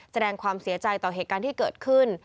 แสดงความเสียใจต่อเหตุการณ์ที่เกิดขึ้น